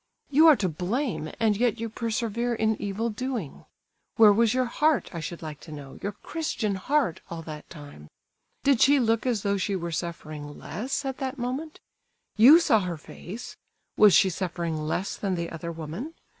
You are to blame, and yet you persevere in evil doing. Where was your heart, I should like to know, your christian heart, all that time? Did she look as though she were suffering less, at that moment? You saw her face—was she suffering less than the other woman?